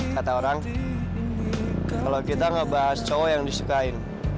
kata orang kalau kita membahas cowok yang disukai